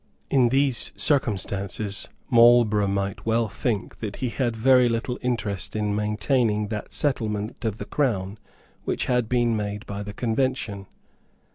In these circumstances Marlborough might well think that he had very little interest in maintaining that settlement of the Crown which had been made by the Convention.